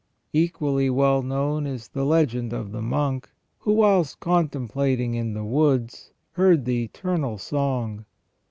Equally well known is the legend of the monk who, whilst contemplating in the woods, heard the eternal song.